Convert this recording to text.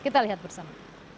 kita lihat bersama